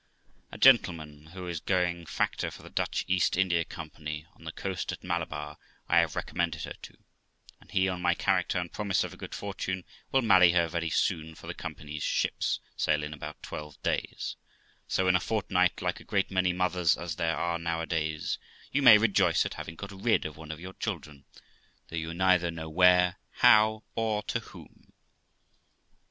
A gentleman who is going factor for the Dutch East India Company, on the coast of Malabar, I have recommended her toj and he, 414 THE LIFE OF ROXANA on my character and promise of a good fortune, will marry her very soon, for the Company's ships sail in about twelve days; so, in a fortnight, like a great many mothers as there are nowadays, you may rejoice at having got rid of one of your children, though you neither know where, how, or to whom.'